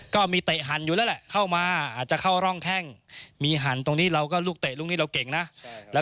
เตะหั่นอยู่แล้วแหละเข้ามาอาจจะเข้าร่องแข้งมีหั่นตรงนี้เราก็ลูกเตะลูกนี้เราเก่งนะ